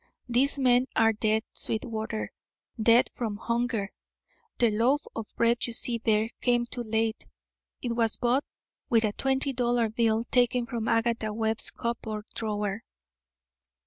These men are dead, Sweetwater, dead from hunger. The loaf of bread you see there came too late. It was bought with a twenty dollar bill, taken from Agatha Webb's cupboard drawer."